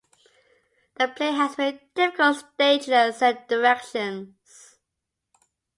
The play has many difficult staging and set directions.